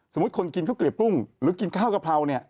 สมมุติคนกินข้าวกระเปรียบปุ้งหรือกินข้าวกะเพราเนี่ย